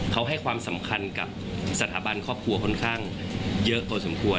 เขาให้ความสำคัญกับสถาบันครอบครัวค่อนข้างเยอะพอสมควร